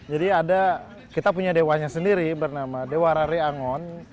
jadi kita punya dewanya sendiri bernama dewa rari angon